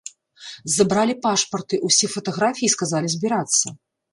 Забралі пашпарты, усе фатаграфіі і сказалі збірацца.